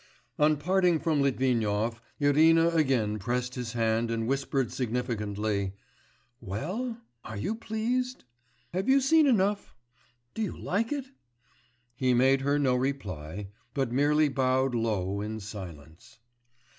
On parting from Litvinov, Irina again pressed his hand and whispered significantly, 'Well? Are you pleased? Have you seen enough? Do you like it?' He made her no reply, but merely bowed low in silence.